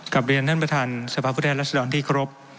กับเรียนท่านประธานสภาพุทธแหละสะดอนที่เคารพ